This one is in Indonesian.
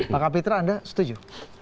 pak kapitra anda setuju